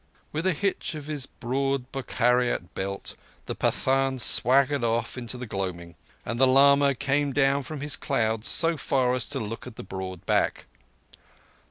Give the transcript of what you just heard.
With a hitch of his broad Bokhariot belt the Pathan swaggered off into the gloaming, and the lama came down from his clouds so far as to look at the broad back.